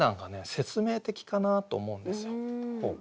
説明的かなと思うんですよ。